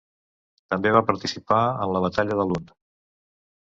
També va participar en la Batalla de Lund.